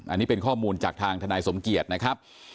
อันนี้เป็นข้อมูลจากทางทนายสมเกียจนะครับ